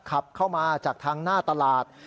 ขับเข้ามาจากทางหน้าตลาด